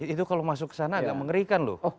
itu kalau masuk ke sana agak mengerikan loh